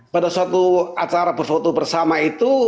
pada suatu acara berfoto bersama itu